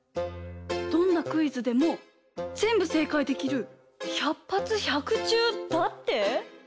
どんなクイズでもぜんぶせいかいできる「百発百中」だって？